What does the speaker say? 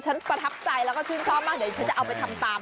ประทับใจแล้วก็ชื่นชอบมากเดี๋ยวฉันจะเอาไปทำตาม